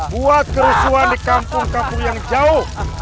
buat kerusuhan di kampung kampung yang jauh